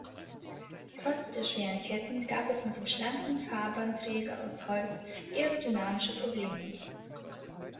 Trotz der schweren Ketten gab es mit dem schlanken Fahrbahnträger aus Holz aerodynamische Probleme.